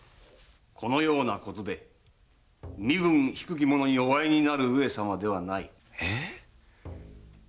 このようなことで身分低き者にお会いになる上様ではない。えっ？